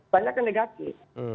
banyak yang negatif